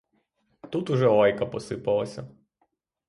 Тут уже лайка посипалася.